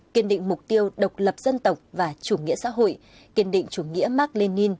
kiên định mục tiêu độc lập dân tộc và chủ nghĩa xã hội kiên định chủ nghĩa mark lenin